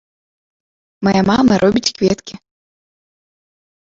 Мая мама робіць кветкі.